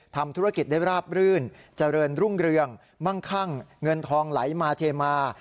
ทำธุรกิจได้ราบรื่นเจริญรุ่งเรืองมั่งคั่งเงินทองไหลมาเทมา